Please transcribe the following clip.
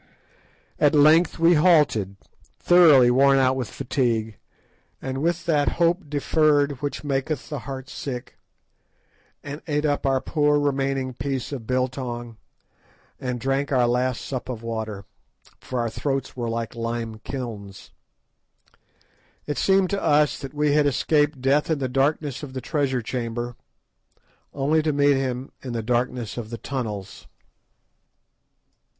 At length we halted, thoroughly worn out with fatigue and with that hope deferred which maketh the heart sick, and ate up our poor remaining piece of biltong and drank our last sup of water, for our throats were like lime kilns. It seemed to us that we had escaped Death in the darkness of the treasure chamber only to meet him in the darkness of the tunnels.